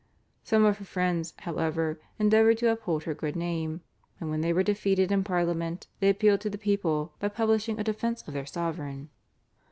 Some of her friends, however, endeavoured to uphold her good name, and when they were defeated in Parliament they appealed to the people by publishing a defence of their sovereign.